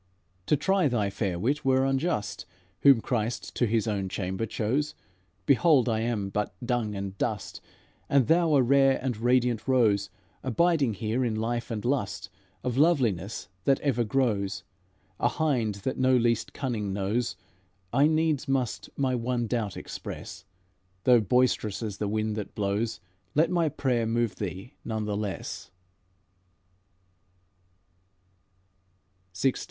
To try thy fair wit were unjust Whom Christ to His own chamber chose. Behold, I am but dung and dust, And thou a rare and radiant rose, Abiding here in life, and lust Of loveliness that ever grows. A hind that no least cunning knows, I needs must my one doubt express; Though boisterous as the wind that blows, Let my prayer move thee none the less."